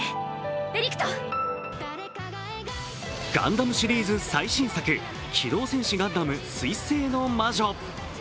ガンダムシリーズ最新作、「機動戦士ガンダム水星の魔女」。